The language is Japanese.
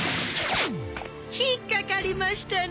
引っ掛かりましたね？